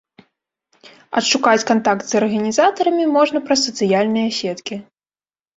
Адшукаць кантакт з арганізатарамі можна праз сацыяльныя сеткі.